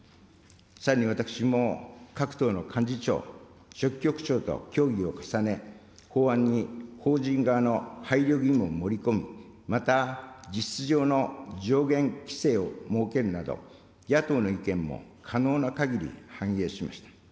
さらに私も、各党の幹事長、書記局長と協議を重ね、法案に法人側の配慮義務を盛り込む、また実質上の上限規制を設けるなど、野党の意見も可能なかぎり反映しました。